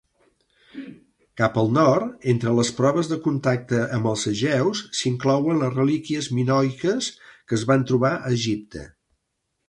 Cap al nord, entre las proves de contacte amb els egeus, s"inclouen les relíquies minoiques que es van trobar a Egipte.